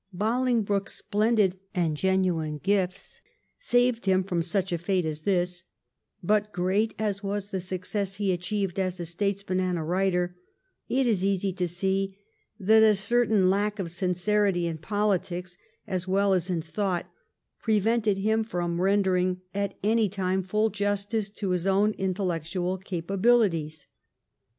Bolingbroke's splendid and genuine gifts saved him from such a fate as this, but great as was the success he achieved as a states man and as a writer, it is easy to see that a certain lack of sincerity in politics as well as in thought pre vented him from rendering at any time full justice to his own intellectual capabilities.